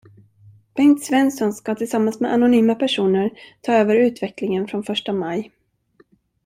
Bengt Svensson skall tillsammans med anonyma personer ta över utvecklingen från första maj.